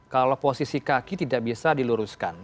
kalau posisi kaki tidak bisa diluruskan